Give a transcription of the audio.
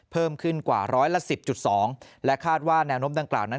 เพิ่มขึ้นกว่าร้อยละ๑๐๒และคาดว่าแนวโน้มดังกล่าวนั้น